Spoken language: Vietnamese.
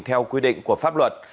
theo quy định của pháp luật